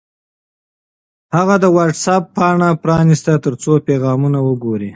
هغه د وټس-اپ پاڼه پرانیسته ترڅو پیغامونه وګوري.